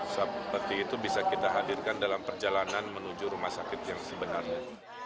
seperti itu bisa kita hadirkan dalam perjalanan menuju rumah sakit yang sebenarnya